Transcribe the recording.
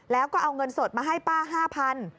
แล้วก็เอาเงินสดมาให้ป้า๕๐๐บาท